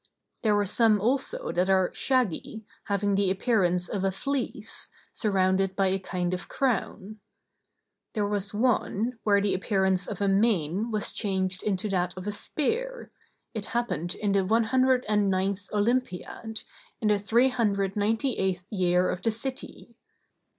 There are some also that are shaggy, having the appearance of a fleece, surrounded by a kind of crown. There was one, where the appearance of a mane was changed into that of a spear; it happened in the 109th olympiad, in the 398th year of the City.